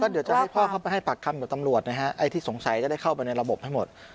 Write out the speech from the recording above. เดี๋ยวจะให้พ่อเข้าไปให้ปากคำกับตำรวจนะฮะไอ้ที่สงสัยจะได้เข้าไปในระบบให้หมด